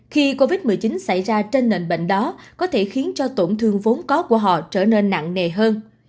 khi covid một mươi chín xảy ra trên nền bệnh đó có thể khiến cho tổn thương vốn có của họ trở nên nặng nề hơn